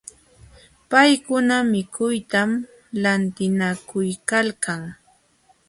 Paykuna mikuytam lantinakuykalkan.